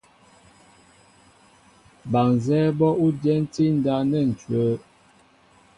Ba nzɛ́ɛ́ bó ú dyɛntí ndáp nɛ́ ǹcʉ́wə́.